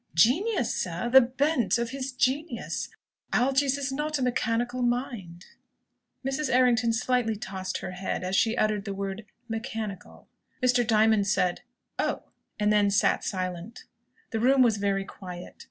"Genius, sir; the bent of his genius. Algy's is not a mechanical mind." Mrs. Errington slightly tossed her head as she uttered the word "mechanical." Mr. Diamond said "Oh!" and then sat silent. The room was very quiet.